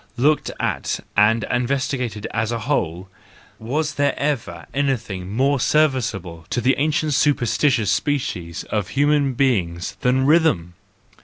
—Looked at and investigated as a whole, was there ever anything more serviceable to the ancient superstitious species of human being than rhythm